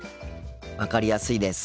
分かりやすいです。